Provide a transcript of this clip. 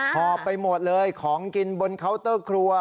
หอบไปหมดเลยของกินบนเคาน์เตอร์ครัว